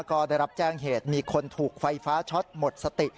ก็ได้รับแจ้งเหตุมีคนถูกไฟฟ้าช็อตหมดสติ